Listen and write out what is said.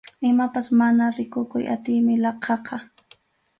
Imapas mana rikukuy atiymi laqhaqa.